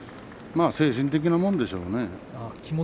精神的なもんでしょうね。